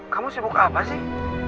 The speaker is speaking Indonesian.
kamu sibuk apa sih